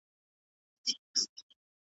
افغان نجوني د پوره قانوني خوندیتوب حق نه لري.